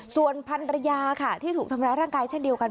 ส่วนพันรยาค่ะที่ถูกทำร้ายร่างกายเช่นเดียวกัน